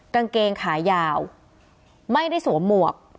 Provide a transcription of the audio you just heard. กางเกงขายาวไม่ได้สวมหมวก